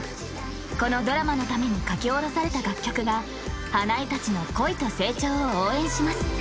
このドラマのために書き下ろされた楽曲が花枝達の恋と成長を応援します